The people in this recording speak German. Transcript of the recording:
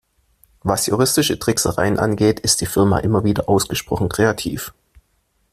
Was juristische Tricksereien angeht, ist die Firma immer wieder ausgesprochen kreativ.